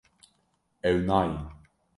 Ew nayên